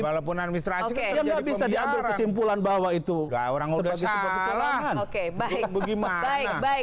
walaupun administrasi oke nggak bisa diambil kesimpulan bahwa itu orang orang oke baik baik